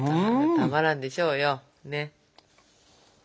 たまらんでしょうよねっ。